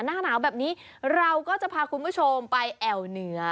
หน้าหนาวแบบนี้เราก็จะพาคุณผู้ชมไปแอวเหนือ